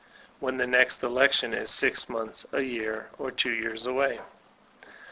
when the next election b six months, a year, or two years away.